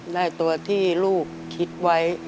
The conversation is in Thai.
ได้ตัวที่ลูกคิดไว้